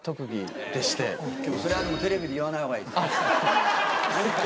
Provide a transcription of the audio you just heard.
それはテレビで言わないほうがいいです。